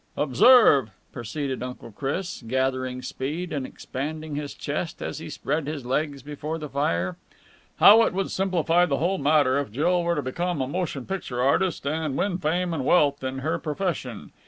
"Observe," proceeded Uncle Chris, gathering speed and expanding his chest as he spread his legs before the fire, "how it would simplify the whole matter if Jill were to become a motion picture artist and win fame and wealth in her profession.